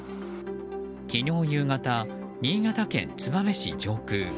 昨日夕方、新潟県燕市上空。